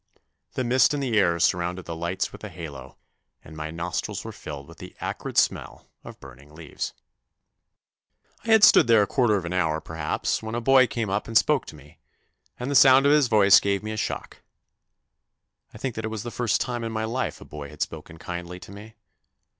The mist in the air surrounded the lights with a halo, and my nostrils were filled with the acrid smell of burning leaves. I had stood there a quarter of an hour perhaps, when a boy came up and spoke to me, and the sound of his voice gave me a shock. I think it was the first time in my life a boy had spoken kindly to me.